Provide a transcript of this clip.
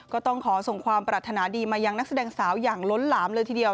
ก็ต้องขอส่งความปรารถนาดีมายังนักแสดงสาวอย่างล้นหลามเลยทีเดียว